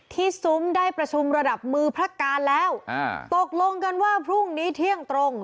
ซุ้มได้ประชุมระดับมือพระการแล้วอ่าตกลงกันว่าพรุ่งนี้เที่ยงตรง